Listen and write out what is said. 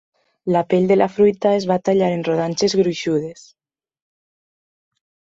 La pell de la fruita es va tallar en rodanxes gruixudes.